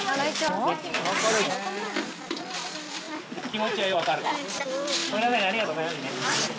気持ちはよくわかる。